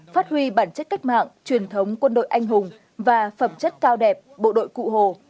phát huy bản chất cách mạng truyền thống quân đội anh hùng và phẩm chất cao đẹp bộ đội cụ hồ